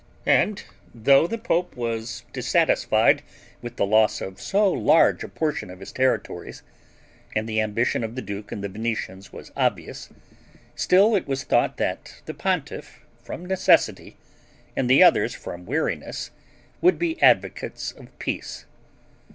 And though the pope was dissatisfied with the loss of so large a portion of his territories, and the ambition of the duke and the Venetians was obvious, still it was thought that the pontiff, from necessity, and the others from weariness, would be advocates of peace.